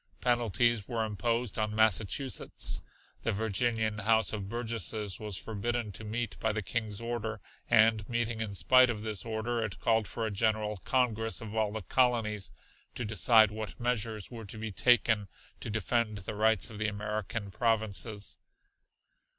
Penalties were imposed on Massachusetts. The Virginian House of Burgesses was forbidden to meet by the King's order, and meeting in spite of this order it called for a General Congress of all the Colonies to decide what measures were to be taken to defend the rights of the American provinces.